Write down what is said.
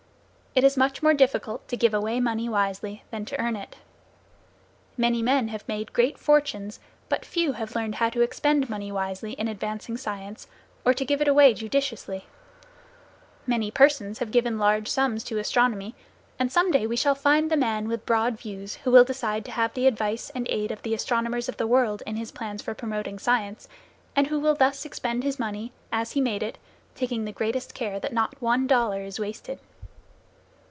It is much more difficult to give away money wisely than to earn it. Many men have made great fortunes, but few have learned how to expend money wisely in advancing science, or to give it away judiciously. Many persons have given large sums to astronomy, and some day we shall find the man with broad views who will decide to have the advice and aid of the astronomers of the world, in his plans for promoting science, and who will thus expend his money, as he made it, taking the greatest care that not one dollar is wasted.